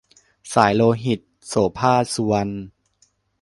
สายโลหิต - โสภาค สุวรรณ